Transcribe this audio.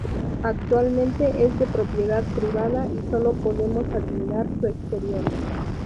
Actualmente es de propiedad privada y solo podemos admirar su exterior.